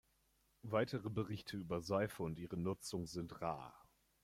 Weitere Berichte über Seife und ihre Nutzung sind rar.